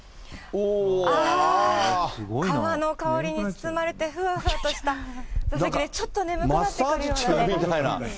あー、革の香りに包まれてふわふわとした座席でちょっと眠くなってくるマッサージチェアみたいな。